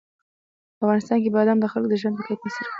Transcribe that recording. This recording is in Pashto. په افغانستان کې بادام د خلکو د ژوند په کیفیت تاثیر کوي.